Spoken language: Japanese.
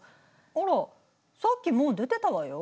あらさっきもう出てたわよ。